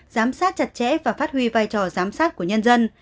giám sát chặt chẽ và phát huy vai trò giám sát của nhân dân